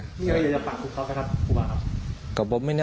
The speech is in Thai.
ไม่ใช่ล่ะคะพูดครับครับครับคุณบา